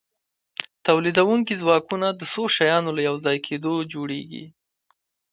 تولیدونکي ځواکونه د څو شیانو له یوځای کیدو جوړیږي.